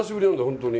ホントに。